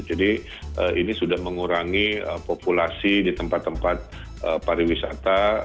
jadi ini sudah mengurangi populasi di tempat tempat pariwisata